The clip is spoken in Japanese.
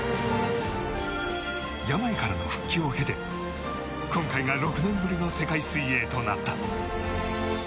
病からの復帰を経て今回が６年ぶりの世界水泳となった。